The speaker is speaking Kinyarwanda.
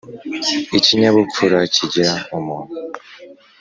ikinyabupfura kigira umuntu